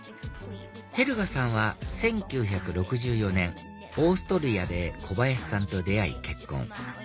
ヘルガさんは１９６４年オーストリアで小林さんと出会い結婚